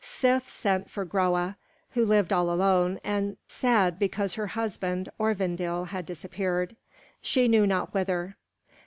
Sif sent for Groa, who lived all alone and sad because her husband Örvandil had disappeared, she knew not whither.